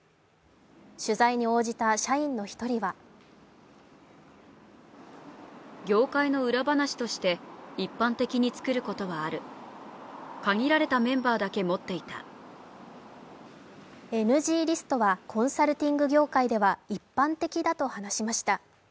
取材に応じた社員の１人はＮＧリストはコンサルティング業界では一般的だと話しました。